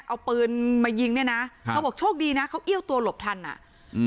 เอาปืนมายิงเนี่ยนะครับเขาบอกโชคดีนะเขาเอี้ยวตัวหลบทันอ่ะอืม